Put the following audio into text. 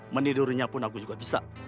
menidurinya pun aku juga bisa